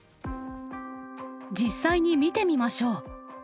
実際に見てみましょう。